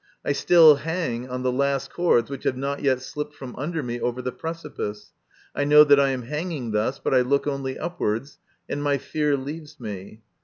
I still hang on the last cords which have not yet slipped from under me over the precipice ; I know that I am hanging thus, but I look only upwards, and my fear leaves me.